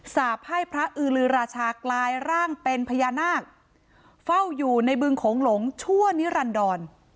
สาบให้พระอือลือราชากลายร่างเป็นพญานาคเฝ้าอยู่ในบึงโขงหลงชั่วนิรันดร